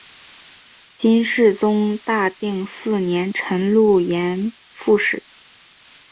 金世宗大定四年辰渌盐副使。